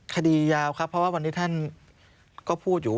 คดียาวครับเพราะว่าวันนี้ท่านก็พูดอยู่